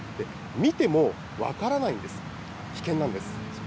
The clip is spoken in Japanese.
見ても分からないんです、危険なんです。